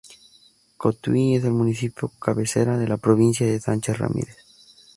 Cotuí es el municipio cabecera de la provincia de Sánchez Ramírez.